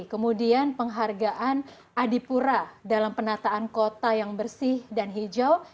kemudian penghargaan adipura dalam penataan kota yang bersih dan hijau